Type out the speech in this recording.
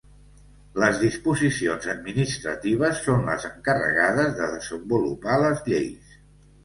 Les disposicions administratives són les encarregades de desenvolupar les lleis.